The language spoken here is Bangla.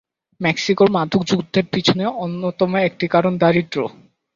মেক্সিকোর মাদক যুদ্ধের পিছনে অন্যতম একটি কারণ দারিদ্র্য।